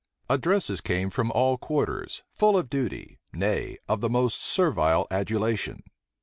Addresses came from all quarters, full of duty, nay, of the most servile adulation.